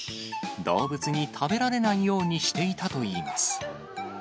動物に食べられないようにしていたといいます。